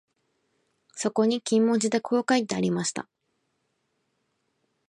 そこに金文字でこう書いてありました